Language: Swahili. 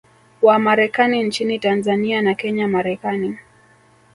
wa Marekani nchini Tanzania na Kenya Marekani